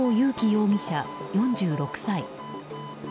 容疑者、４６歳。